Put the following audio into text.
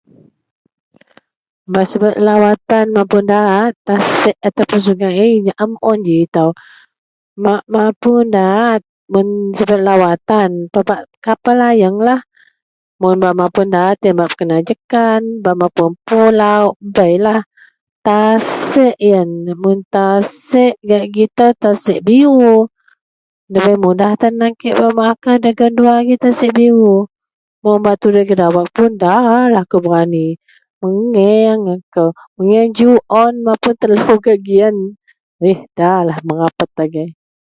Bak subet lawatan mapun daat tasiek atau puon sungai nyaam un ji tou mapun daat mun subet lawatan kapel ayeang lah mun bak mapuon daat pekena jekan mapun pulau beilah. Tasiek iyen mun tasiek, tasiek gak gitou tasiek biru debei mudah tan a kek dagen dua tasiek biru min tudoi gak dawok puon da lah akou berani mengieng akou mengieng juon mapun telo gak giyen iyeh da lah merapet angai.